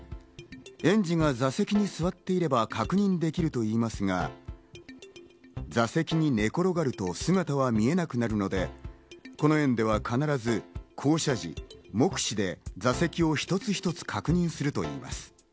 園児が座席に座っていれば確認できるといいますが、座席に寝転がると、姿は見えなくなるので、この園では必ず、降車時に目視で座席を一つずつ確認するといいます。